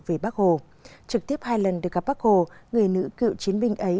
về bắc hồ trực tiếp hai lần được gặp bắc hồ người nữ cựu chiến binh ấy